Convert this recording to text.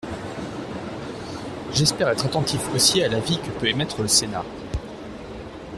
J’espère être attentif aussi à l’avis que peut émettre le Sénat.